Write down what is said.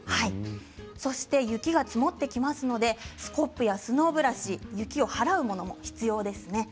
そして雪が積もってきますのでスコップやスノーブラシ雪を払うものも必要ですね。